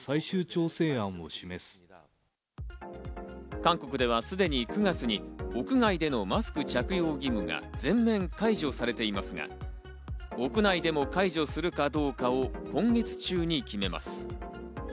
韓国ではすでに９月に屋外でのマスク着用義務が全面解除されていますが、屋内でも解除するかどうかを今月中に決めます。